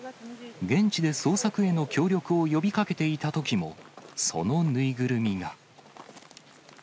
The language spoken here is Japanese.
現地で捜索への協力を呼びかけていたときも、その縫いぐるみが。